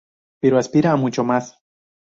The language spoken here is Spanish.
Pero aspira a mucho más.